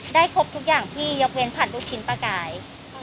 ครบทุกอย่างที่ยกเว้นผ่านลูกชิ้นปลากาย